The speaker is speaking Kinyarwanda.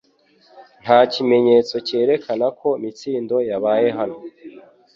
Nta kimenyetso cyerekana ko Mitsindo yabaye hano